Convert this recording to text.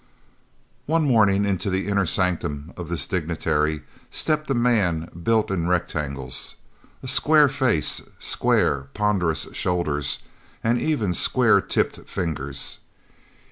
One morning into the inner sanctum of this dignitary stepped a man built in rectangles, a square face, square, ponderous shoulders, and even square tipped fingers.